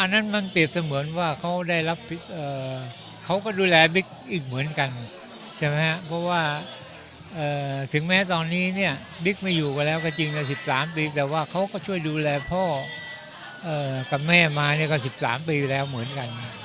หรือว่าทุกคนก็แบบมาดูแลคุณพ่อต่อแทนจากพี่บิ๊ก